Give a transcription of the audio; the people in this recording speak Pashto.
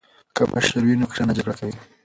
که مشره وي نو کشران نه جګړه کوي.